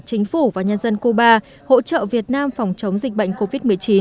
chính phủ và nhân dân cuba hỗ trợ việt nam phòng chống dịch bệnh covid một mươi chín